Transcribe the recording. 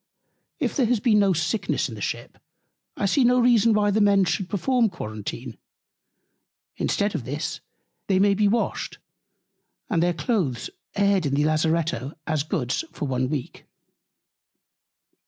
If there has been no Sickness in the Ship, I see no reason why the Men should perform Quarentine. Instead of this, they may be washed, and their Cloaths aired in the Lazaretto, as Goods, for one Week.